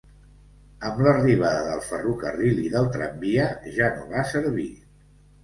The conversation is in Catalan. Amb l'arribada del ferrocarril i del tramvia, ja no va servir.